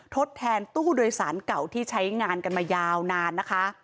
ทดแทนตู้โดยสารเก่าที่ใช้งานกันมายาวนานนะคะ